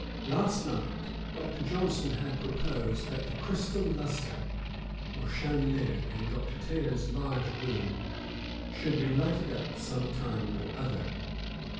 Last night Dr. Johnson had proposed that the crystal lustre, or chandelier, in Dr. Taylor's large room, should be lighted up some time or other.